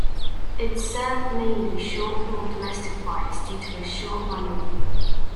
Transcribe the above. It served mainly short-haul domestic flights due to its short runway.